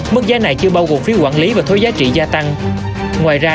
mức giá này chưa bao gồm phí quản lý và thuê giá trị gia tăng